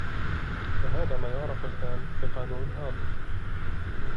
وهذا ما يعرف الآن بـقانون هابل